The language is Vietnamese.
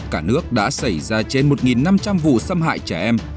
cả nước đã xảy ra trên một năm trăm linh vụ xâm hại trẻ em